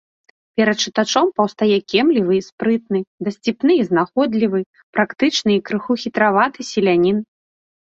Перад чытачом паўстае кемлівы і спрытны, дасціпны і знаходлівы, практычны і крыху хітраваты селянін.